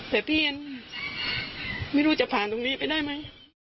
แต่พี่ยังไม่รู้จะผ่านตรงนี้ไปได้ไหม